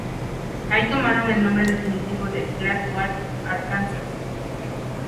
Ahí tomaron el nombre definitivo de "Black Oak Arkansas".